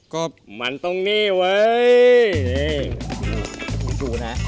ก็มันตรงนี้เว้ย